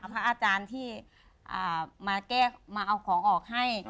พระอาจารย์ที่มาเอาของออกให้